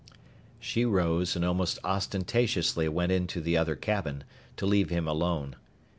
She rose and almost ostentatiously went into the other cabin, to leave him alone.